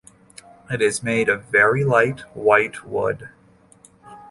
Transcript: It is made of very light, white wood.